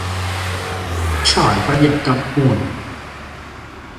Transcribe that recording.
財不入急門